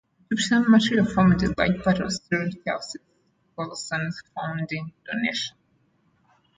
Egyptian material formed a large part of Sir Charles Nicholson's founding donation.